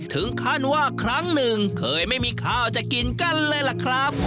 ถึงขั้นว่าครั้งหนึ่งเคยไม่มีข้าวจะกินกันเลยล่ะครับ